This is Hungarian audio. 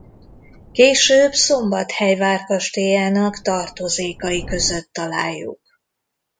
Később Szombathely várkastélyának tartozékai között találjuk.